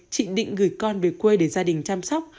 chị định gửi con về quê để gia đình chăm sóc